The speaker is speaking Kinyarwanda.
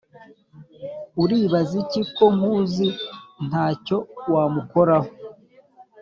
Uribaza iki ko nkuzi ntacyo wamukoraho